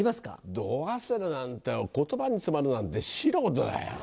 ド忘れなんて言葉に詰まるなんて素人だよ。